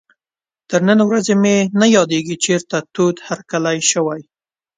تر نن ورځې مې نه یادېږي چېرته تود هرکلی شوی.